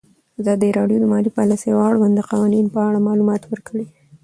ازادي راډیو د مالي پالیسي د اړونده قوانینو په اړه معلومات ورکړي.